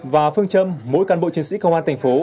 và phương châm mỗi can bộ chiến sĩ công an tp